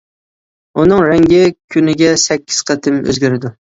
ئۇنىڭ رەڭگى كۈنىگە سەككىز قېتىم ئۆزگىرىدۇ.